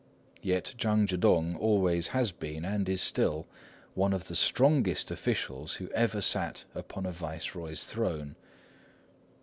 Yet Chang Chih tung always has been, and is still, one of the strongest officials who ever sat upon a viceroy's throne.